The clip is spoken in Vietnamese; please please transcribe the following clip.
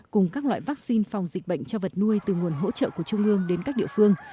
cùng các loại vaccine phòng dịch bệnh cho vật nuôi từ nguồn hỗ trợ của trung ương đến các địa phương